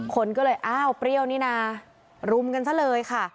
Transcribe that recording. คนก็เลยเปรี้ยวนี่นารุมกันเท่าเลยค่ะ